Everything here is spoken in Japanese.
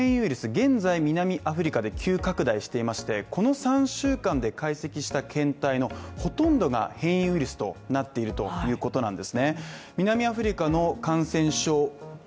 現在南アフリカで急拡大していましてこの３週間で解析した検体のほとんどが変異ウイルスとなっているということなんです